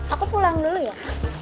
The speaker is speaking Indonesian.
aku pulang dulu ya